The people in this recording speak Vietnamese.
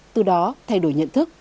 từ đó thay đổi nhận thức